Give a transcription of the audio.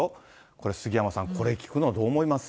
これ、杉山さん、これ聞くのどう思います？